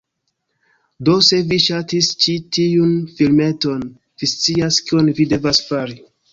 Do, se vi ŝatis ĉi tiun filmeton, vi scias kion vi devas fari.